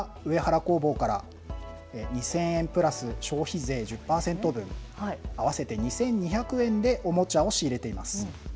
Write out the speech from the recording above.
おもちゃの井上は上原工房から２０００円プラス消費税１０％分合わせて２２００円でおもちゃを仕入れています。